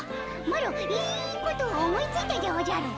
マロいいことを思いついたでおじゃる。